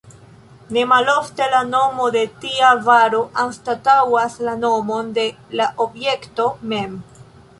Ne malofte la nomo de tia varo anstataŭas la nomon de la objekto mem.